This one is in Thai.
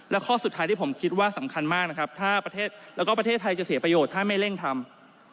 และข้อสุดท้ายที่ผมคิดว่าสำคัญมากนะครับถ้าประเทศแล้วก็ประเทศไทยจะเสียประโยชน์ถ้าไม่เร่งทำ